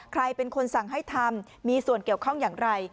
ใครเป็นคนสั่งให้ทำมีส่วนเกี่ยวข้องอย่างไร